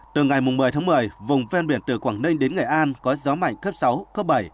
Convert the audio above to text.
từ ngày một mươi tháng một mươi vùng ven biển từ quảng ninh đến nghệ an có gió mạnh cấp sáu cấp bảy